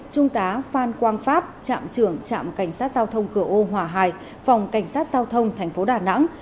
trung tá phan quang pháp trạm trưởng trạm cảnh sát giao thông cửa ô hòa hải phòng cảnh sát giao thông thành phố đà nẵng